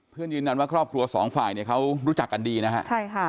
เพื่อนยืนยันว่าครอบครัวสองฝ่ายเนี่ยเขารู้จักกันดีนะครับ